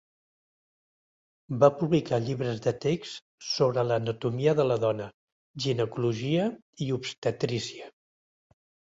Va publicar llibres de text sobre l'anatomia de la dona, ginecologia i obstetrícia.